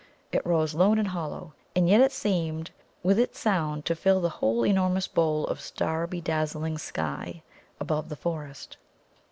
It rose lone and hollow, and yet it seemed with its sound to fill the whole enormous bowl of star bedazzling sky above the forest.